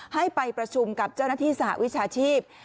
ให้ไปประชุมกับเจ้าหน้าที่สหวิชาชีพ